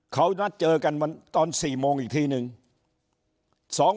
เขานัดเจอกันตอน๔โมงอีกทีนึง